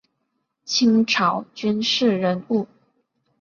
清朝军事人物。